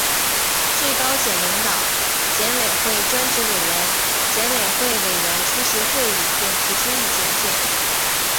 最高检领导、检委会专职委员、检委会委员出席会议并提出意见建议